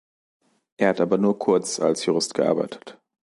Er hat aber nur kurz als Jurist gearbeitet.